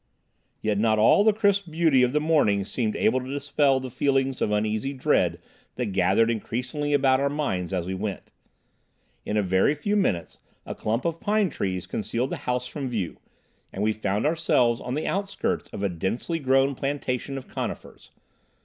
Yet not all the crisp beauty of the morning seemed able to dispel the feelings of uneasy dread that gathered increasingly about our minds as we went. In a very few minutes a clump of pine trees concealed the house from view, and we found ourselves on the outskirts of a densely grown plantation of conifers.